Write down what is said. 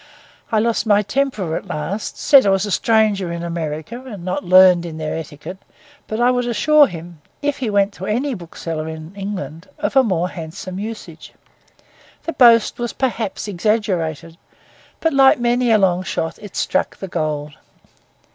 I lost my temper at last, said I was a stranger in America and not learned in their etiquette; but I would assure him, if he went to any bookseller in England, of more handsome usage. The boast was perhaps exaggerated; but like many a long shot, it struck the gold.